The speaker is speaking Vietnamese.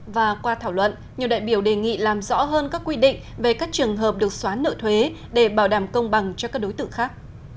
và qua thảo luận nhiều đại biểu đề nghị làm rõ hơn các quy định về các trường hợp được xóa nợ thuế để bảo đảm công bằng cho các đối tượng khác